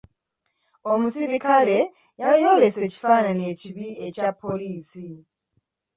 Omuserikale yayolesa ekifaananyi ekibi ekya poliisi.